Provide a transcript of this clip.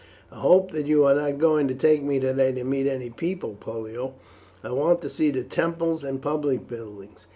"I hope that you are not going to take me today to meet any people, Pollio; I want to see the temples and public buildings."